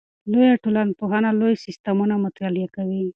لویه ټولنپوهنه لوی سیستمونه مطالعه کوي.